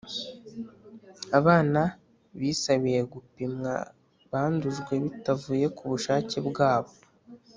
abana bisabiye gupimwa bandujwe bitavuye ku bushake bwabo,